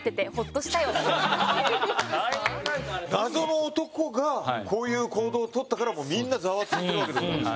謎の男がこういう行動を取ったからもうみんなざわついてるわけでございますね。